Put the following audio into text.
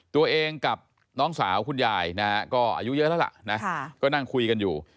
ตัวเองกับน้องสาวคุณยายนะฮะก็อายุเยอะแล้วล่ะนะก็นั่งคุยกันอยู่